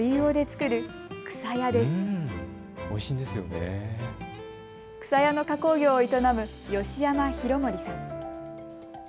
くさやの加工業を営む吉山裕盛さん。